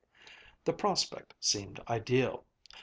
The prospect seemed ideal.